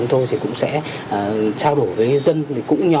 mở rộng cửa này